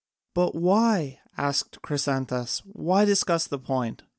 "But why," asked Chrysantas, "why discuss the point?